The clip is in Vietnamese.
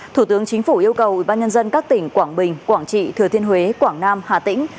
thủ tướng chính phủ yêu cầu bác nhân dân các tỉnh quảng bình quảng trị thừa thiên huế quảng nam hà tĩnh